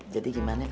jadi gimana pak